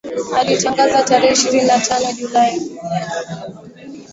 alitangaza tarehe ishirini na tano julai